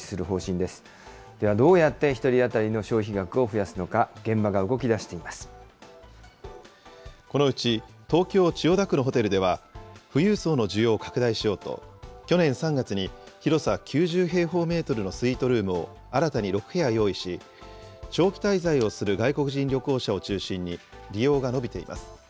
では、どうやって１人当たりの消費額を増やすのか、現場が動きだこのうち、東京・千代田区のホテルでは、富裕層の需要を拡大しようと、去年３月に広さ９０平方メートルのスイートルームを新たに６部屋用意し、長期滞在をする外国人旅行者を中心に利用が伸びています。